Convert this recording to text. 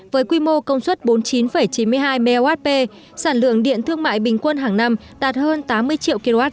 với quy mô công suất bốn mươi chín chín mươi hai mwp sản lượng điện thương mại bình quân hàng năm đạt hơn tám mươi triệu kwh